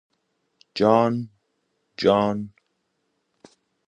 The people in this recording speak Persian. جان جان